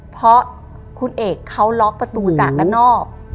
เพราะคุณเอกเขาล็อกประตูจากด้านนอก